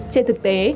trên thực tế